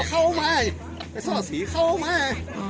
ก็เรียกเข้ามา